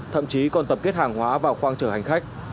thậm chí còn tập kết hàng hóa vào khoang chở hành khách